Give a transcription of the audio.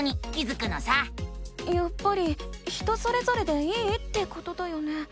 やっぱり人それぞれでいいってことだよね？